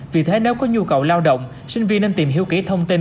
vì thế nếu có nhu cầu lao động sinh viên nên tìm hiểu kỹ thông tin